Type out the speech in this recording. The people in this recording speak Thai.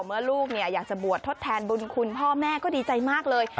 ลูกอยากจะบวชทดแทนบุญคุณพ่อแม่ก็ดีใจมากเลย